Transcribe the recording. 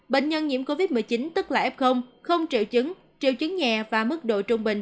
bệnh nhân nhiễm covid một mươi chín tức là f không triệu chứng triệu chứng nhẹ và mức độ trung bình